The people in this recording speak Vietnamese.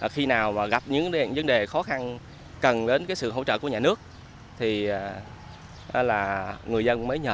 khi nào mà gặp những vấn đề khó khăn cần đến sự hỗ trợ của nhà nước thì là người dân mới nhờ